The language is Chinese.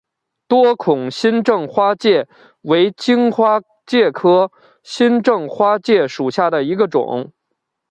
多孔新正花介为荆花介科新正花介属下的一个种。